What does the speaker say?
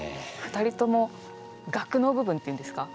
２人ともがくの部分っていうんですか？